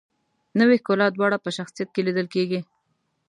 نوې ښکلا دواړه په شخصیت کې لیدل کیږي.